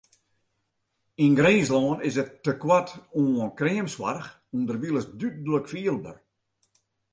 Yn Grinslân is it tekoart oan kreamsoarch ûnderwilens dúdlik fielber.